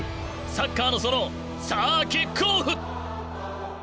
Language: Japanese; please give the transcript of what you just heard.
「サッカーの園」さあキックオフ！